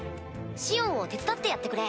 シオンを手伝ってやってくれ。